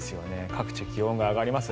各地、気温が上がります。